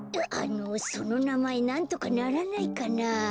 あのそのなまえなんとかならないかな。